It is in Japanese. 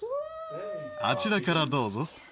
あちらからどうぞ。